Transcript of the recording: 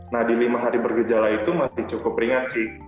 nah di lima hari bergejala itu masih cukup ringan sih